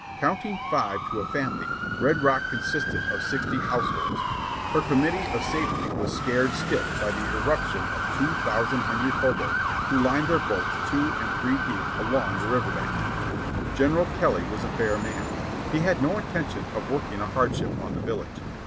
Counting five to a family, Red Rock consisted of sixty households. Her committee of safety was scared stiff by the eruption of two thousand hungry hoboes who lined their boats two and three deep along the river bank. General Kelly was a fair man. He had no intention of working a hardship on the village.